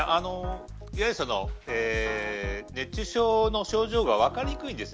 熱中症の症状が分かりにくいんです